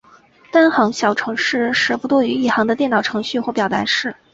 单行小程式是不多于一行的电脑程序或表达式。